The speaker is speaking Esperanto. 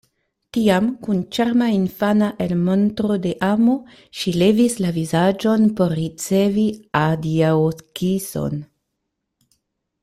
Tiam kun ĉarma infana elmontro de amo ŝi levis la vizaĝon por ricevi adiaŭkison.